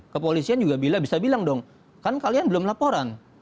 kepolisian juga bilang bisa bilang dong kan kalian belum laporan